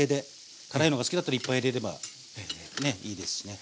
辛いのが好きだったらいっぱい入れればねいいですしね。